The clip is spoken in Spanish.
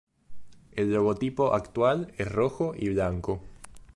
El logotipo actual es rojo y blanco.